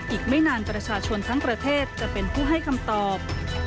อีกไม่นานประชาชนทั้งประเทศจะเป็นผู้ให้คำตอบ